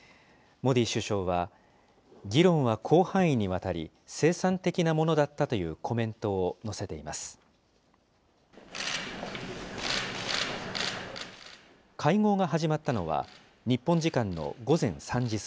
モディ首相は、議論は広範囲にわたり、生産的なものだったというコメントを載せています。